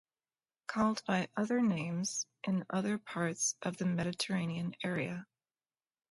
Called by other names in other parts of the Mediterranean area.